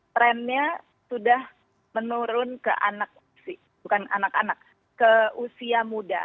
trendnya sudah menurun ke anak bukan anak anak ke usia muda